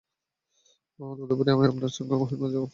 তদুপরি আমি আপনার মাঝে আর ওহীর মাঝে অন্তরায় সৃষ্টি করে আছি।